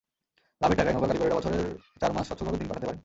লাভের টাকায় নৌকার কারিগরেরা বছরের চার মাস সচ্ছলভাবে দিন কাটাতে পারেন।